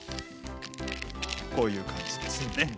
こういう感じですね。